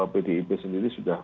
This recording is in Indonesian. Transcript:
pdip sendiri sudah